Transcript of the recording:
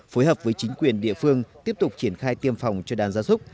phối hợp với chính quyền địa phương tiếp tục triển khai tiêm phòng cho đàn gia súc